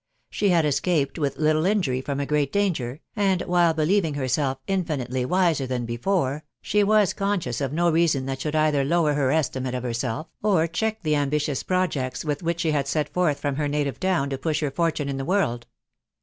She had escaped with little injury from i great danger, and, while believing herself infinitely wiser thai before, she was conscious of no reason that should either lover her estimate of herself, or check the ambitious projects with which she had set forth from her native town to push hear fi*> tune in the world.